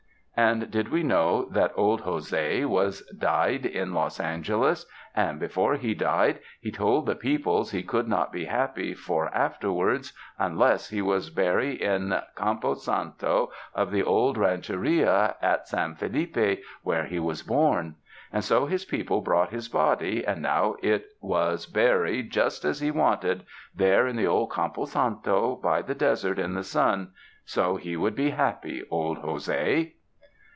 And did we know that old Jose was 98 THE MOUNTAINS died in Los Angeles, and before he died, he told the peoples he could not be happy for afterwards, un less he was bury in the canipo santo of the old raucheria at San Folii)e where he was born; and so his people brought his body and now it was bury just as he wanted, there in the old campo santo by the desert in the sun; so he would be happy, old Jose.